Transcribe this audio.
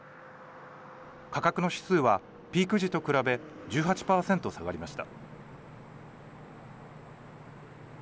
価格の指数はピーク時と比べ、１８％下がりました。